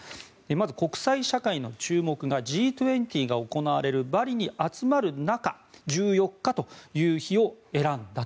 まず国際社会の注目がＧ２０が行われるバリに集まる中１４日という日を選んだ。